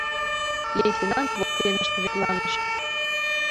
Лейтенант воктенышт верланыш